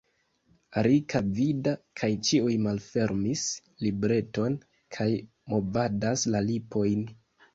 Rika vidas, ke ĉiuj malfermis libreton kaj movadas la lipojn.